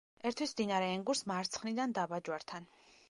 ერთვის მდინარე ენგურს მარცხნიდან დაბა ჯვართან.